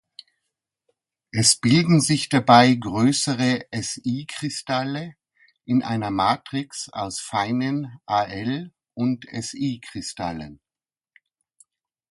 Es bilden sich dabei größere Si-Kristalle in einer Matrix aus feinen Al- und Si-Kristallen.